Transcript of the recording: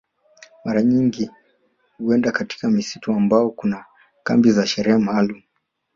Mara nyingi huenda katika misitu ambapo kuna kambi za sherehe maalum